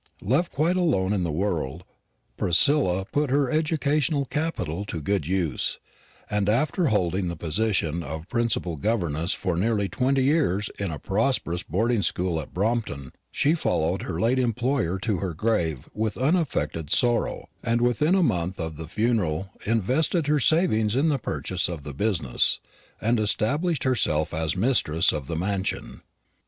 Left quite alone in the world, Priscilla put her educational capital to good use; and after holding the position of principal governess for nearly twenty years in a prosperous boarding school at Brompton, she followed her late employer to her grave with unaffected sorrow, and within a month of the funeral invested her savings in the purchase of the business, and established herself as mistress of the mansion.